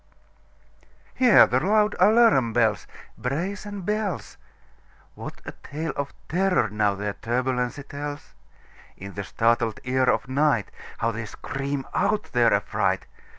Hear the loud alarum bells, Brazen bells! What a tale of terror, now, their turbulency tells! In the startled ear of nightHow they scream out their affright!